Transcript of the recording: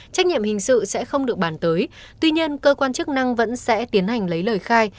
trách nhiệm hình sự sẽ không được bàn tới tuy nhiên cơ quan chức năng vẫn sẽ tiến hành lấy lời khai